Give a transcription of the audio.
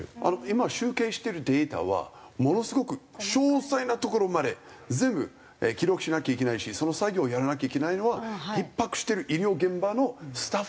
今集計してるデータはものすごく詳細なところまで全部記録しなきゃいけないしその作業をやらなきゃいけないのはひっ迫してる医療現場のスタッフの方ですね。